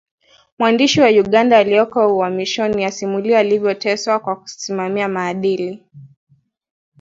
Mwandishi wa Uganda aliyeko uhamishoni asimulia alivyoteswa kwa kusimamia maadili